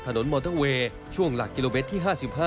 มอเตอร์เวย์ช่วงหลักกิโลเมตรที่๕๕